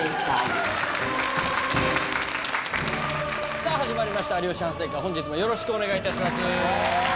さぁ始まりました『有吉反省会』本日もよろしくお願いします。